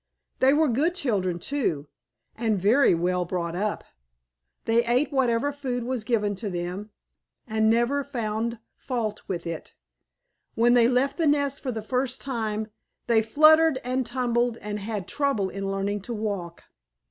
They were good children, too, and very well brought up. They ate whatever food was given to them, and never found fault with it. When they left the nest for the first time, they fluttered and tumbled and had trouble in learning to walk.